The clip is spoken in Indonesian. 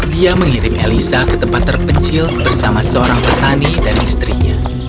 dia mengirim elisa ke tempat terpencil bersama seorang petani dan istrinya